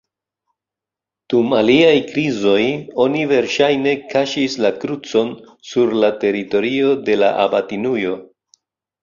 Dum aliaj krizoj oni verŝajne kaŝis la krucon sur la teritorio de la abatinujo.